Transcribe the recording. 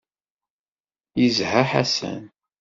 Yezha Ḥasan.